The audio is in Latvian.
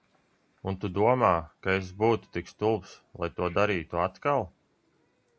Un tu domā, ka es būtu tik stulbs, lai to darītu atkal?